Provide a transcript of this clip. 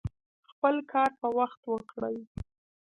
خپل کار په وخت وکړئ